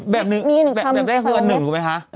แบบแรกคือเป็น๑รู้ไหมคะ